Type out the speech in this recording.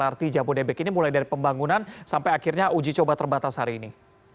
lrt jabodebek ini mulai dari pembangunan sampai akhirnya uji coba terbatas hari ini